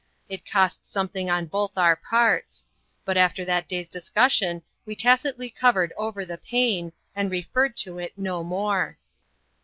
It cost something on both our parts; but after that day's discussion we tacitly covered over the pain, and referred to it no more.